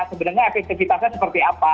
sebenarnya efektivitasnya seperti apa